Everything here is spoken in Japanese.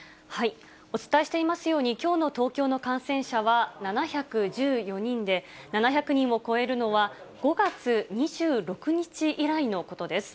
お伝えしていますように、きょうの東京の感染者は７１４人で、７００人を超えるのは、５月２６日以来のことです。